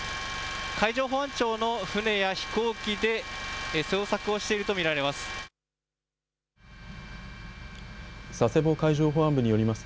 海上保安庁の船や飛行機で捜索をしていると見られます。